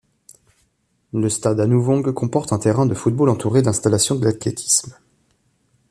Le stade Anouvong comporte un terrain de football entouré d'installations d'athlétisme.